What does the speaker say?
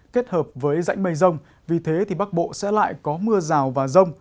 kết hợp với rãnh mây rông vì thế thì bắc bộ sẽ lại có mưa rào và rông